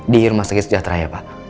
di rumah sakit sejahtera ya pak